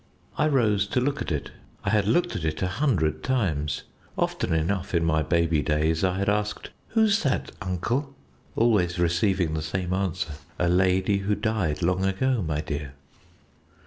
I rose to look at it. I had looked at it a hundred times. Often enough in my baby days I had asked, "Who's that, uncle?" always receiving the same answer: "A lady who died long ago, my dear."